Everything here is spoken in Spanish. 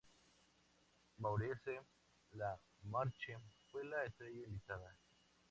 Maurice LaMarche fue la estrella invitada.